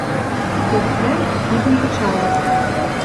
Кок тӓнг кидӹм кычалыт